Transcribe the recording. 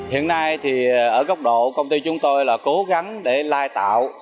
hiện nay thì ở góc độ công ty chúng tôi là cố gắng để lai tạo